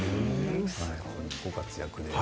ご活躍で。